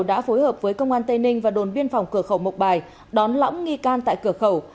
đã phối hợp với công an tây ninh và đồn biên phòng cửa khẩu mộc bài đón lõng nghi can tại cửa khẩu